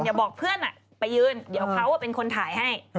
อย่าบอกเพื่อนไปยืนเดี๋ยวเขาเป็นคนถ่ายให้